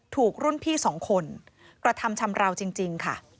ถูกรุ่นพี่สองคนกระทำชำราวจริงค่ะ